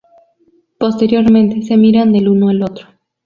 Posteriormente se miran el uno al otro.